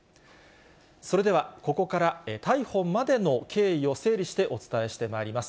それでは、ここから逮捕までの経緯を整理してお伝えしてまいります。